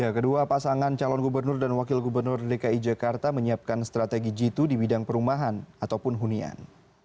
kedua pasangan calon gubernur dan wakil gubernur dki jakarta menyiapkan strategi jitu di bidang perumahan ataupun hunian